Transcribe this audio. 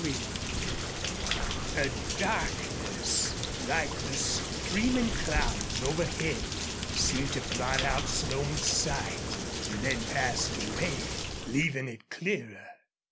CHAPTER XX A darkness, like the streaming clouds overhead, seemed to blot out Slone's sight, and then passed away, leaving it clearer.